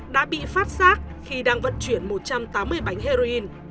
đã bị phát giác khi đang vận chuyển một trăm tám mươi bánh heroin